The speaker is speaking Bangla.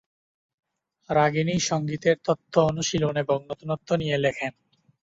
রাগিনী সংগীতের তত্ত্ব, অনুশীলন এবং নতুনত্ব নিয়ে লেখেন।